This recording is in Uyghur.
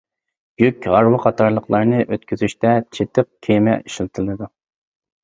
يۈك، ھارۋا قاتارلىقلارنى ئۆتكۈزۈشتە چېتىق كېمە ئىشلىتىلىدۇ.